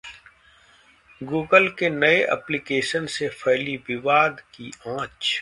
Google के नए application से फैली विवाद की आंच